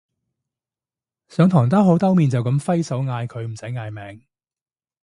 上堂兜口兜面就噉揮手嗌佢唔使嗌名